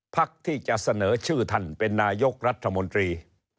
พักที่จะเสนอชื่อท่านเป็นนายกรัฐมนตรี